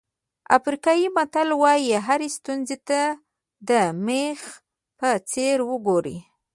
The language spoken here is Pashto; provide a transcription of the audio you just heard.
افریقایي متل وایي هرې ستونزې ته د مېخ په څېر وګورئ.